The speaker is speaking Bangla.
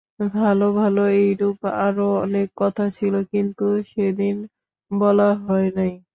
ভালো ভালো এইরূপ আরও অনেক কথা ছিল, কিন্তু সেদিন বলা হয় নাই।